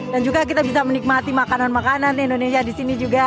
dan juga kita bisa menikmati makanan makanan di indonesia di sini juga